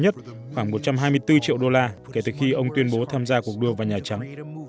bốn triệu đô la kể từ khi ông tuyên bố tham gia cuộc đua vào nhà trắng